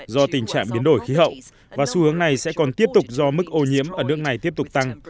do tình trạng biến đổi khí hậu và xu hướng này sẽ còn tiếp tục do mức ô nhiễm ở nước này tiếp tục tăng